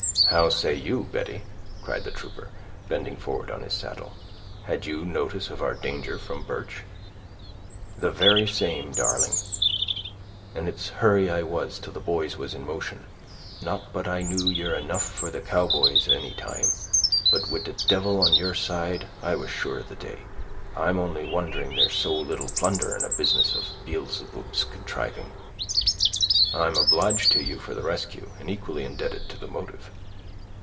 "How say you, Betty," cried the trooper, bending forward on his saddle, "had you notice of our danger from Birch?" "The very same, darling; and it's hurry I was till the boys was in motion; not but I knew ye're enough for the Cowboys any time. But wid the divil on your side, I was sure of the day. I'm only wondering there's so little plunder, in a business of Beelzeboob's contriving." "I'm obliged to you for the rescue, and equally indebted to the motive."